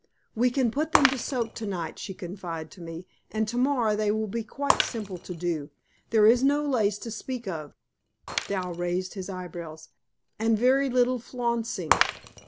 "We can put them to soak tonight," she confided to me, "and tomorrow they will be quite simple to do. There is no lace to speak of" Dal raised his eyebrows "and very little flouncing."